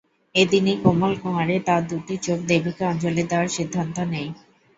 এদিনই কোমল কুমারী তার দুটি চোখ দেবীকে অঞ্জলি দেওয়ার সিদ্ধান্ত নেয়।